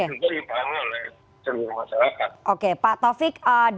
itu yang perlu diperlukan oleh seluruh masyarakat